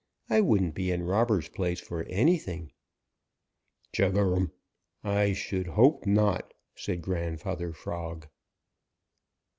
I wouldn't be in Robber's place for anything." "Chug a rum! I should hope not!" said Grandfather Frog.